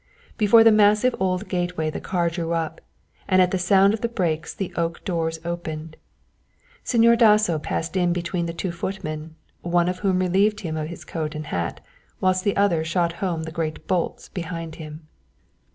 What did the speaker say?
Before the massive old gateway the car drew up, and at the sound of the brakes the oak doors opened. Señor Dasso passed in between the two footmen, one of whom relieved him of his coat and hat, whilst the other shot home the great bolts behind him.